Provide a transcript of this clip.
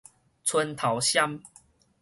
伸頭䀐